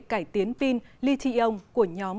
cải tiến pin lithium của nhóm